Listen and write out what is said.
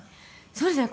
そうですね。